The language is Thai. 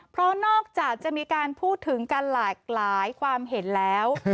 เพราะนอกจากจะมีการพูดถึงกันหลากหลายความเห็นแล้ว